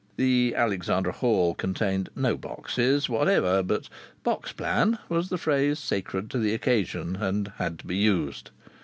The Alexandra Hall contained no boxes whatever, but "box plan" was the phrase sacred to the occasion, and had to be used.